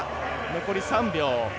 残り３秒。